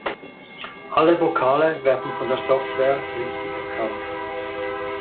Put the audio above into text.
Alle Vokale werden von der Software richtig erkannt.